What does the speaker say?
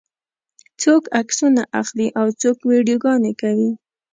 څوک عکسونه اخلي او څوک ویډیوګانې کوي.